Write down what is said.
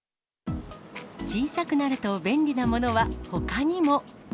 小さくなると便利なものはほかにも。